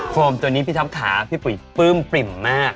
โมตัวนี้พี่ท็อปถาพี่ปุ๋ยปื้มปริ่มมาก